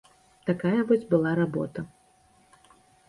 Такая вось была работа.